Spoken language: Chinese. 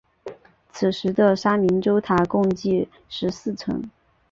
此时的鸣沙洲塔共计十四层。